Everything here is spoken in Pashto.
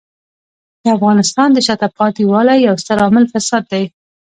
د افغانستان د شاته پاتې والي یو ستر عامل فساد دی.